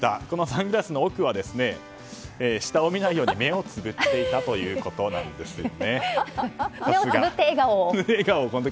このサングラスの奥は下を見ないように目をつぶっていたということです。